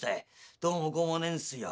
「どうもこうもねえんすよ。